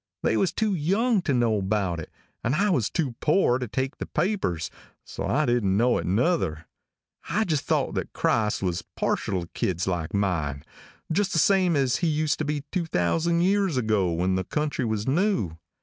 They was too young to know about it and I was too poor to take the papers, so I didn't know it nuther. I just thought that Christ was partial to kids like mine, just the same as He used to be 2,000 years ago when the country was new.